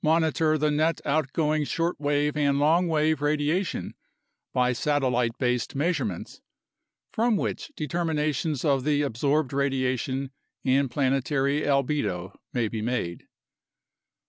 Monitor the net outgoing shortwave and long wave radiation by satellite based measurements, from which determinations of the ab sorbed radiation and planetary albedo may be made.